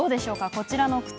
こちらの靴。